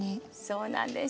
そうなんです。